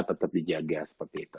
tetap dijaga seperti itu